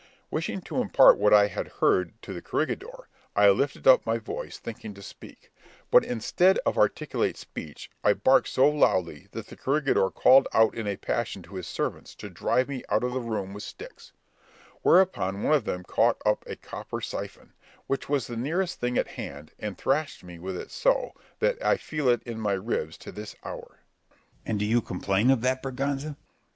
Wishing to impart what I had heard to the corregidor, I lifted up my voice, thinking to speak; but instead of articulate speech I barked so loudly that the corregidor called out in a passion to his servants to drive me out of the room with sticks; whereupon one of them caught up a copper syphon, which Was the nearest thing at hand, and thrashed me with it so, that I feel it in my ribs to this hour. Scip. And do you complain of that, Berganza?